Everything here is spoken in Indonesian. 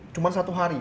cuma satu hari